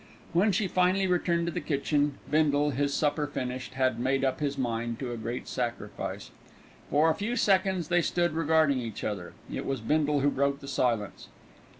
When she finally returned to the kitchen, Bindle, his supper finished, had made up his mind to a great sacrifice. For a few seconds they stood regarding each other. It was Bindle who broke the silence.